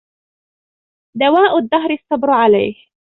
دواء الدهر الصبر عليه